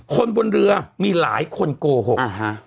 คนบนเรือมีหลายคนโกหก